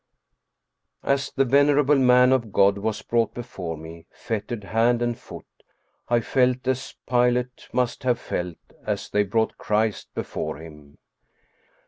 290 Steen Steenscn Blichcr As the venerable man of God was brought before me, fet tered hand and foot, I felt as Pilate must have felt as they brought Christ before him.